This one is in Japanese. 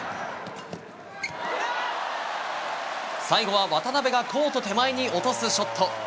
最後は渡辺がコート手前に落とすショット。